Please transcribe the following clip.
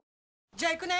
じゃあ行くね！